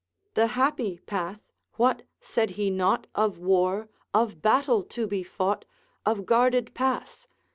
'The happy path! what! said he naught Of war, of battle to be fought, Of guarded pass?'